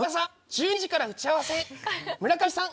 １２時から打ち合わせ村上さん